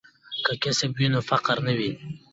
که کسب وي نو فقر نه وي.